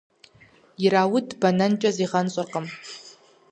Ирауд бэнэнкӏэ зигъэнщӏыркъым.